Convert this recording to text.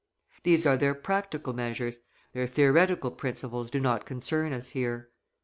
These are their practical measures, their theoretical principles do not concern us here.